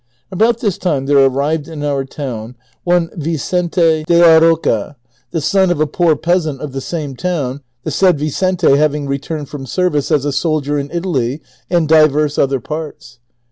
About this time tiiere arrived in our town one Vicente de la Roca, the son of a po<n peasant of the same town, the said Vicente having returned from service as a soldier in Italy and divers other parts.